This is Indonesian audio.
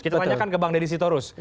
kita tanyakan ke bang deddy sitorus